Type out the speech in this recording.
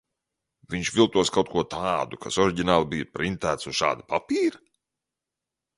Viņš viltos kaut ko tādu, kas oriģināli bija printēts uz šāda papīra?